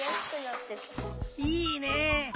いいね！